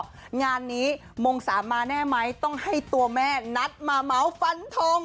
งานนี้มงสามมาแน่ไหมต้องให้ตัวแม่นัดมาเมาส์ฟันทง